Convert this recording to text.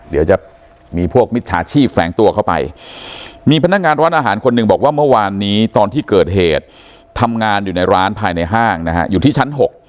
เดี๋ยวจะมีพวกมิจฉาชีพแฝงตัวเข้าไปมีพนักงานร้านอาหารคนหนึ่งบอกว่าเมื่อวานนี้ตอนที่เกิดเหตุทำงานอยู่ในร้านภายในห้างนะฮะอยู่ที่ชั้น๖